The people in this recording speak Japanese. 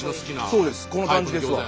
そうですこの感じですわ。